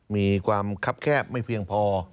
มีความคับแคบไม่เพียงพอ